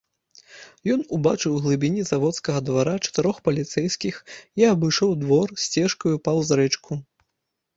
Ён убачыў у глыбіні заводскага двара чатырох паліцэйскіх і абышоў двор сцежкаю паўз рэчку.